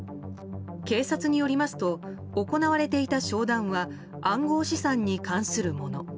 警察によりますと行われていた商談は暗号資産に関するもの。